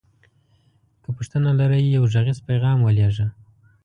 که پوښتنه لری یو غږیز پیغام ولیږه